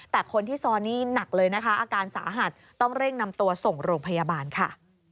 แต่คนที่ซ้อนนี่หนักเลยนะคะอาการสาหัสต้องเร่งนำตัวส่งโรงพยาบาลค่ะ